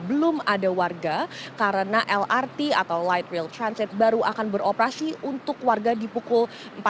belum ada warga karena lrt atau light rail transit baru akan beroperasi untuk warga di pukul empat belas